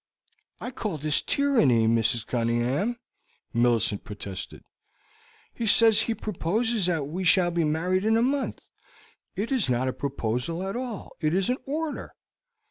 "I call this tyranny, Mrs. Cunningham," Millicent protested. "He says he proposes that we shall be married in a month; it is not a proposal at all, it is an order.